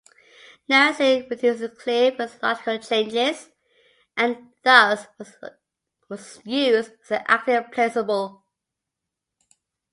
Niacin produces clear physiological changes and thus was used as an active placebo.